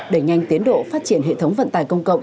để nhanh tiến độ phát triển hệ thống vận tài công cộng